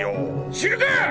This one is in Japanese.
知るかっ！